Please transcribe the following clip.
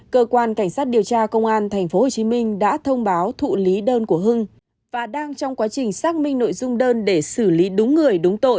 cơ quan cảnh sát điều tra công an tp hcm đã thông báo thụ lý đơn của hưng và đang trong quá trình xác minh nội dung đơn để xử lý đúng người đúng tội